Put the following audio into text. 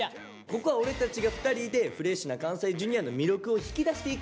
ここは俺たちが２人でフレッシュな関西Ｊｒ．の魅力を引き出していくわけよ。